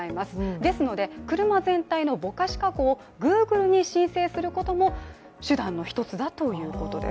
ですので、車全体のぼかし加工をＧｏｏｇｌｅに申請することも手段の一つだということです。